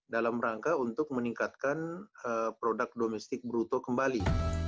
dalam rangka untuk meningkatkan produk domestik bruto kembali